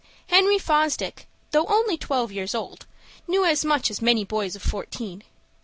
Henry Fosdick, though only twelve years old, knew as much as many boys of fourteen.